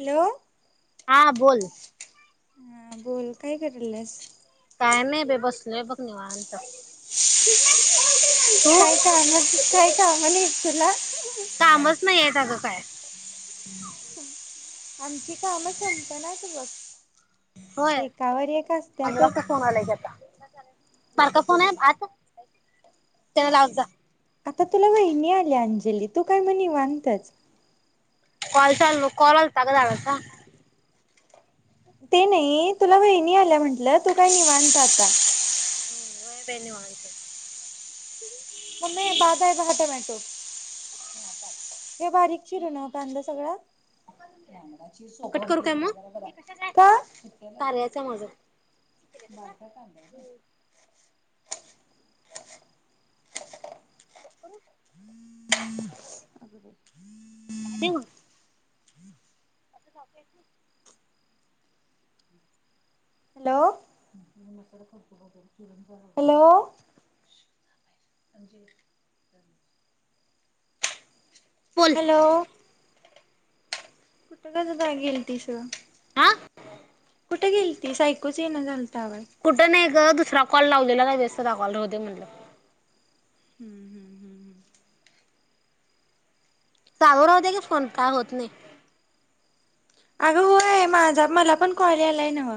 Hello. हा बोल. हा बोल काय कलस काय नाही ब बसलेय बघ निवांत तू तय का आला तय कामला खला कामच नाहीय आहे अगं. काय? आमची काम संप ना त बघ. होय एकावर एक आमला असत्यातच. अस फोन आलाय क आता मारका फोन आहे आता त्याला लाव जा. आता तुला वहिनी आली अंजली तू काय म्हणे वानतच कोलचाल कोलाल तगदणारता. ते नाही तुला वहिणी आल्या म्हंटलं तू काय निवनता आता हम् व बेनी वानत- मग म बादाा आहे पहा टोमॅटो हे बारीक चिर ना कांदा सगळा लाांगडाची सोपा कट करू होते काय बरा मग बरा बरा ते कशाचं आहे काट्याला कार्याचं आहे माझं कट बरक करू हम्म काय बोलते मग? हम्म. काय नाही होत [unintelligible] [unintelligible] हम्. Hello hello. बोल हॅलो, कुठं काय गेलतिसं गं? आं? कुठे गेलतीस? आयकूच येईना झालं. कुठं नाही ग दुसरा कॉल लावत तिला काय व्यस्त दाखवायला राहुदे म्हणल. हम्म हम्म हम्म हम्म. चालू राहुदे की फोन, काय होत नाही. अगं होय, माझा मला पण कॉल आलाय नव.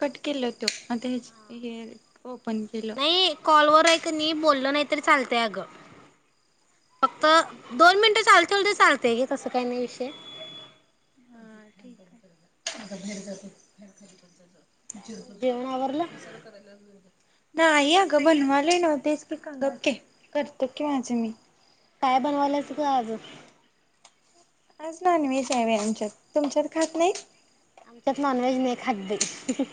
कट केलत ते हे ओपन केलं नाही कॉलवर आहे की नाही बोललं नाही तरी चालतय. अगं फक्त दोन मिनिटं चालू ठेवलं तरी चालतय अगं. तसं काही नाही विषय. [unintelligible] काय चिर मग जेवण आवरलं? मसाला कराला नाही अगं बनवाले नव्ह. तेच की काम करते, करते की केव्हाच मी. काय बनवायलास ग आज? आज नॉनव्हेज आहेव आमच्याकडे. तुमच्यात खात नाही? आमच्यात नॉनव्हेज नाही खात बाई.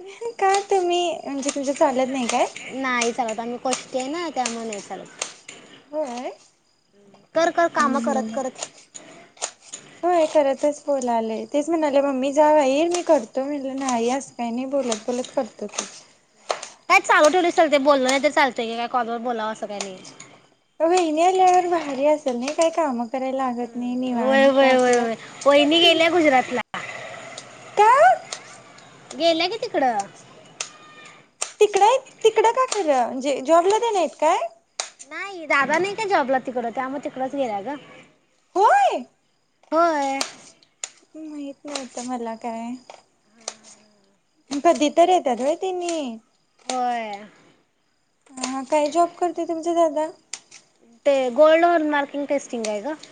मेन का तुम्ही म्हणजे तुझ्या चालत नाही काय? कष्ट आहे ना, त्यामुळे नाय चालत. होय कर कर काम हम्म करत हम्म. करत बोलाले. तेच म्हणाले मम्मी जा भाईर मी करतो. म्हटलं नाही असं काही नाही बोलत बोलत करतो की. काय चालू ठेव लते बोलल नाही तर चालतय. की काय कॉलवर बोलावं असं काही नाही. अ इन लवर बाहेरी असल न काय काम? कराय लागत नाही व्हय निवांत व्हय व्हय व्हय वहिनी आपलं. गेल्या गुजरातला त्या गेला की तिकडं. तिकडं आहेत? तिकडं का गेल्यात? म्हणजे जॉबला गेल्यात काय? नाही दादा नाही का जॉबला तिकड, त्या मग तिकडच गेल्या ग. होय? होय. माहित नव्हत मला काय. कधी तर येतात व्हय, तीने? होय हा काय जॉब करते तुम क दादा ते गोल्डवर मार्किंग टेस्टिंग आहे गं.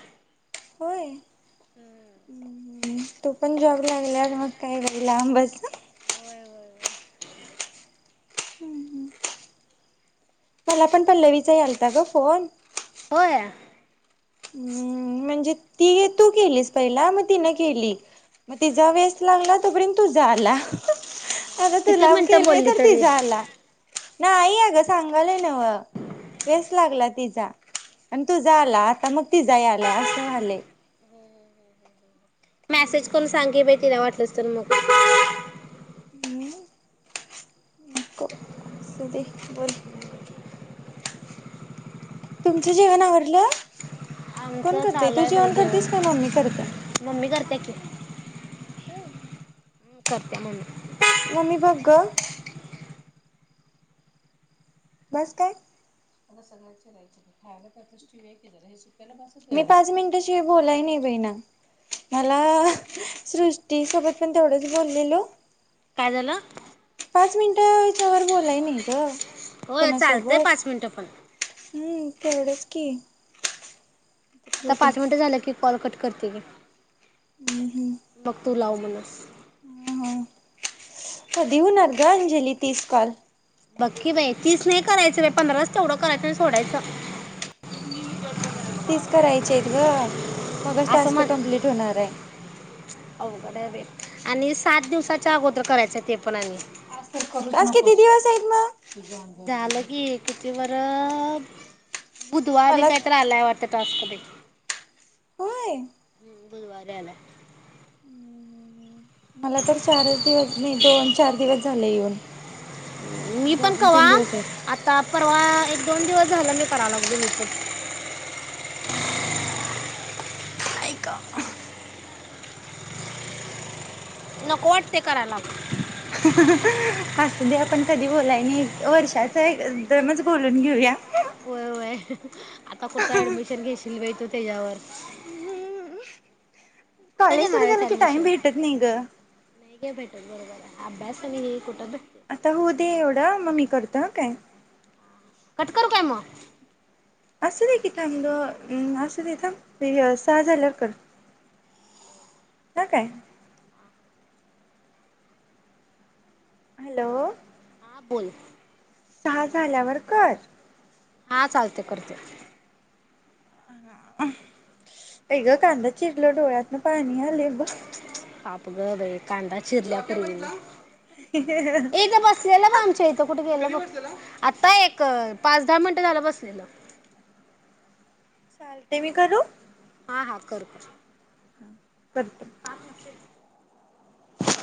होय? हं हं. तू पण जॉब लागल्यावर मग काय बाई लांबच. होय [inaudible] मला पण पल्लवीचा यालता ग फोन. होय? हम्म म्हणजे ती तू केलीस पहिला मग तिनं केली. म तिचा वेस्त लागला तोपर्यंत तूझा आला. [inaudible] आता किती तूला व मिनिटं केलाय बोलली तर तरी तीजा आला. नाही अगं सांगालोय. न्हव वेस्त लागला. तिजा. आन तूझा आला. तूजा यालाय असं व्हायलय. मॅसेज करून सांग की बाई तीला वाटलस्तर तर मग ह नको असू दे बोल. तुमचं जेवण आवरलं. कोण आमचं करतय चालू तू आहे बाई जेवण करतीस का मम्मी करतिया? [inaudible] होय. हं कर. मम्मी बघ ग. बास काय [inaudible] मी पाच मिनिटाशिवाय बोलाय नाही बाई ना, मला सृष्टी सोबत पण तेवढंच बोललेलो. काय झालं? पाच मिनिटाच्या वर बोलाय नाही ग. होय चालतंय कोणासोबत पाच मिनटं पण. हम्म तेवढंच की, आता होते पाच मिनट झालं की कॉल कट करते घे. हम्म. बघतो लावून म्हणूनस हं कधी होणार ग अंजली तीस कॉल? बग की, बाई तीस नाही करायचं बा पंधराच तेवढं करायचं आणि सोडायचं. तीस करायचेहायत ग. मगच असं टास्क म्हण कम्प्लीट होणाराय. [inaudible] ओ आणि सात दिवसाच्या अगोदर करायच ते पण आणि टास्क किती दिवस हाईत म झालं की किती बरं बुधवारी मला काहीतरी आलाय वाटत. टास्क ते होय. हम्म बुधवारी आलाय. [unintelligible] मला तर चारच दिवस नाही, दोन चार दिवस झाले येऊन, मी म्हणजे पण अजून कवा तीन दिवस आहेत. आता परवा एक दोन दिवस झालं मी करा लागलोय मी पण [inaudible] ऐका [inaudible] नको वाटते करायला [inaudible] असू दे आपण कधी बोलाय नाही वर्षाच एकदमच बोलून घेऊया. होय होय [unintelligible] आता कुठ ॲडमीशन घेशी [unintelligible] वतो तेज्यावर कॉलेज सुरू झालं, की टाईम भेटत नाही ग [inaudible] बरोबरय अभ्यास आणि [unintelligible] आता होऊ दे एवढं मग मी कर [unintelligible] काय? कट करू काय मग? असूदे की थांबलं अं असूदे, थांब हे सहा झाल्यावर कर हा काय? हॅलो... हा बोल सहा झाल्यावर कर हा चालतय करतो [inaudible] [unintelligible] आई ग कांदा चिरलो डोळ्यातन पाणी [unintelligible] आले ब आगं ग बाई कांदा चिरल्या तरी [inaudible] कुठं दिसलं नाही रे बाबा? ये इथ बसलेलं बघ आमच्या इथं कुठे गेलं? बघ कधी बसलेलं [unintelligible] आता एक पाच दहा मिनिटं झालं बसलेलो. चालते मी करू ह हा कर कर हा [unintelligible] [inaudible]